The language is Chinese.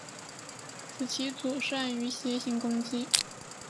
此棋组善于斜行攻击。